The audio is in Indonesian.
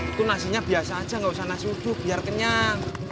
itu nasinya biasa aja gak usah nasi ujuk biar kenyang